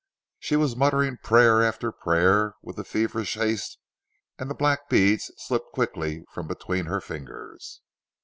She was muttering prayer after prayer with feverish haste and the black beads slipped quickly from between her fingers.